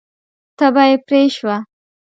تبه یې پرې شوه.